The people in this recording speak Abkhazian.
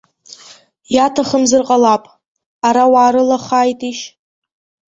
Иаҭахымзар ҟалап, ара уаарылахааитишь!